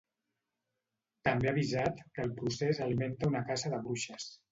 També ha avisat que el procés alimenta una caça de bruixes.